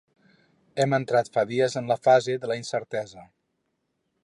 Hem entrat fa dies en la fase de la incertesa.